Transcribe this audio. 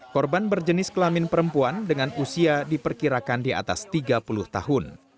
korban berjenis kelamin perempuan dengan usia diperkirakan di atas tiga puluh tahun